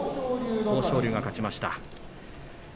豊昇龍が勝ちました。